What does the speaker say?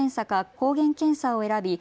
抗原検査を選び